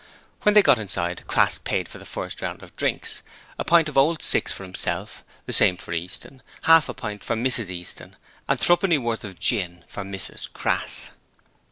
When they got inside, Crass paid for the first round of drinks, a pint of Old Six for himself; the same for Easton, half a pint for Mrs Easton and threepenny worth of gin for Mrs Crass.